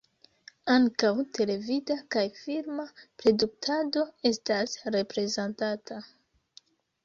Ankaŭ televida kaj filma produktado estas reprezentata.